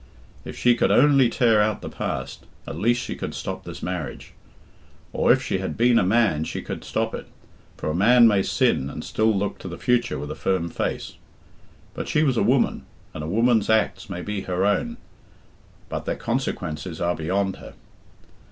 If she could only tear out the past, at least she could stop this marriage. Or if she had been a man she could stop it, for a man may sin and still look to the future with a firm face. But she was a woman, and a woman's acts may be her own, but their consequences are beyond her.